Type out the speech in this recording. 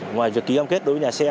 ngoài việc ký cam kết đối với nhà xe